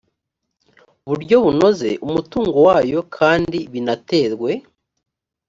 buryo bunoze umutungo wayo kandi binaterwe